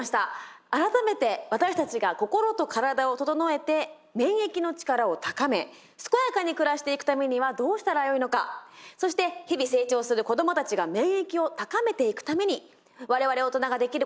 改めて私たちが心と体を整えて免疫のチカラを高め健やかに暮らしていくためにはどうしたらよいのかそして日々成長する子どもたちが免疫を高めていくために我々大人ができることは何か。